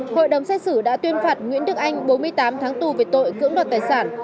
hội đồng xét xử đã tuyên phạt nguyễn đức anh bốn mươi tám tháng tù về tội cưỡng đoạt tài sản